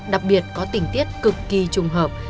đặc biệt có tình tiết cực kỳ trùng hợp